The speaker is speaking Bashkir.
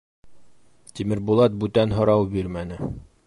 Тимербулат бүтән һорау бирмәне.